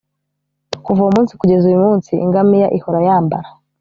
kuva uwo munsi kugeza uyu munsi ingamiya ihora yambara